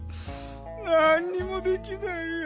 なんにもできないや。